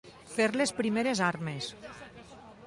Fer les primeres armes.